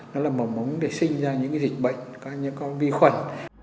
nó là mầm mống để sinh ra những dịch bệnh những vi khuẩn